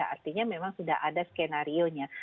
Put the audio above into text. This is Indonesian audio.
artinya memang sudah ada skenario nya